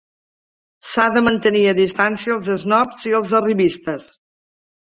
S'ha de mantenir a distància els esnobs i els arribistes.